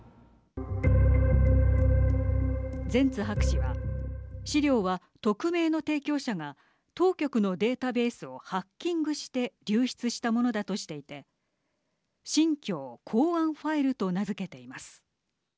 ゼンツ博士は資料は匿名の提供者が当局のデータベースをハッキングして流出したものだとしていて新疆公安ファイルと名付けています。